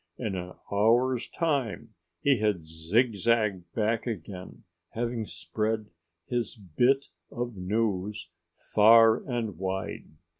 In an hour's time he had zigzagged back again, having spread his bit of news far and wide.